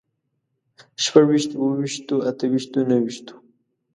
شپږ ويشتو، اووه ويشتو، اته ويشتو، نهه ويشتو